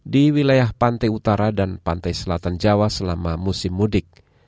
di wilayah pantai utara dan pantai selatan jawa selama musim mudik